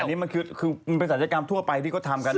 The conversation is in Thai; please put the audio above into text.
อันนี้มันคือมันเป็นศัลยกรรมทั่วไปที่เขาทำกัน